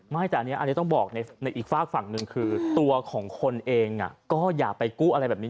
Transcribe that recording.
ไม่แต่อันนี้ต้องบอกในอีกฝากฝั่งหนึ่งคือตัวของคนเองก็อย่าไปกู้อะไรแบบนี้